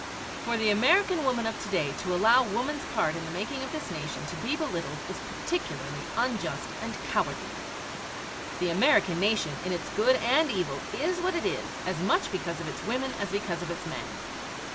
For the American Woman of to day to allow woman's part in the making of this nation to be belittled is particularly unjust and cowardly. The American nation in its good and evil is what it is, as much because of its women as because of its men.